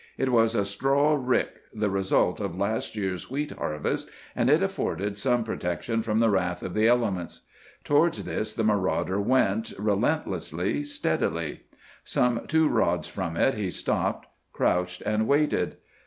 It was a straw rick, the result of last year's wheat harvest, and it afforded some protection from the wrath of the elements. Towards this the marauder went, relentlessly, steadily. Some two rods from it he stopped, crouched, and waited.